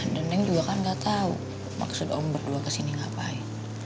dan neng juga kan gak tau maksud om berdua kesini ngapain